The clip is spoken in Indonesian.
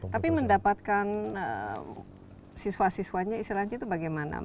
tapi mendapatkan siswa siswanya bagaimana